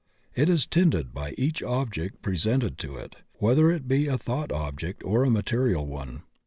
It is tinted by each object presented to it, whether it be a thought object or a material one.